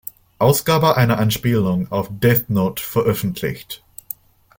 Ausgabe eine Anspielung auf Death Note veröffentlicht.